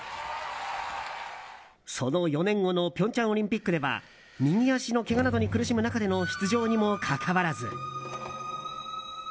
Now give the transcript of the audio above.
その４年後の平昌オリンピックでは右足のけがなどに苦しむ中での出場にもかかわらず。